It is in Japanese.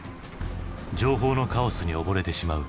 情報のカオスに溺れてしまう。